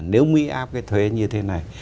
nếu mỹ áp cái thuế như thế này